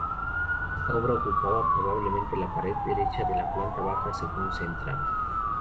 Esta obra ocupaba probablemente la pared derecha de la planta baja según se entraba.